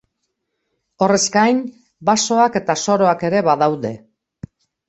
Horrez gain, basoak eta soroak ere badaude.